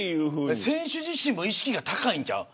選手自身も意識が高いんちゃう。